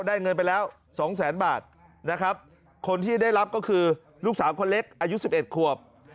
เงินไปแล้วสองแสนบาทนะครับคนที่ได้รับก็คือลูกสาวคนเล็กอายุ๑๑ขวบ